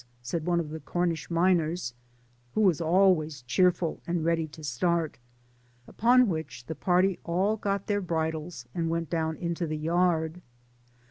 *' said one of the Cor nish miners, who was always cheerful and ready to 8t^^ upon which the party all got their bridles and went down into the yard.